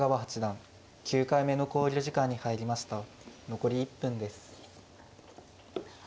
残り１分です。